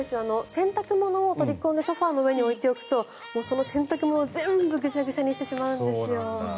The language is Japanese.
洗濯物を取り込んでソファの上に置いておくとその洗濯物全部ぐちゃぐちゃにしてしまうんですよ。